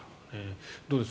どうです？